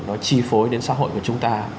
nó chi phối đến xã hội của chúng ta